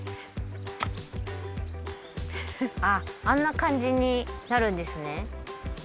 あんな感じになるんですね。